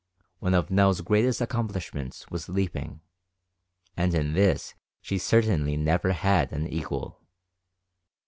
One of Nell's greatest accomplishments was leaping, and in this she certainly never had an equal.